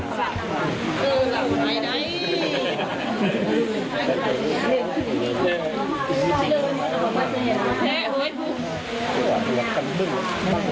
ตอนนี้ก็ไม่มีเวลาให้กลับมาเที่ยวกับเวลา